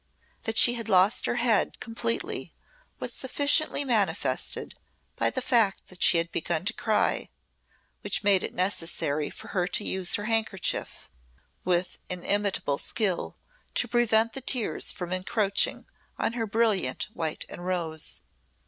That she had lost her head completely was sufficiently manifested by the fact that she had begun to cry which made it necessary for her to use her handkerchief with inimitable skill to prevent the tears from encroaching on her brilliant white and rose.